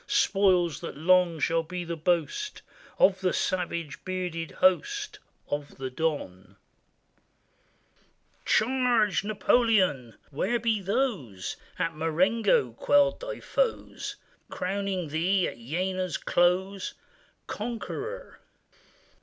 Spoils that long shall be the boast 348 THE BATTLE OF EYLAU Of the savage bearded host Of the Don. Charge, Napoleon! Where be those At Marengo quelled thy foes; Crowning thee at Jena's close Conqueror?